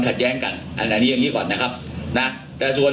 ภาพที่ปรากฏเห็นเป็นวิวคอนตำรวจ